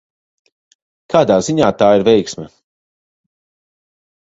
Kādā ziņā tā ir veiksme?